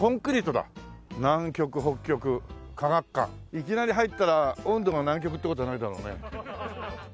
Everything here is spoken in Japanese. いきなり入ったら温度が南極って事はないだろうね？